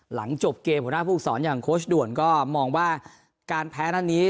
หลังจบเกมหัวหน้าภูมิสอนอย่างโค้ชด่วนก็มองว่าการแพ้นัดนี้